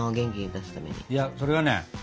いやそれはね